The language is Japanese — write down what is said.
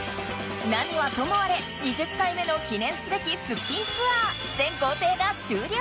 何はともあれ２０回目の記念すべき『すっぴんツアー』全行程が終了